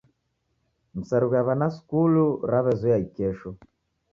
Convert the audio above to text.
Misarigho ya w'ana sukulu raw'ezoya ikesho.